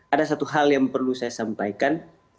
ada satu hal yang perlu saya sampaikan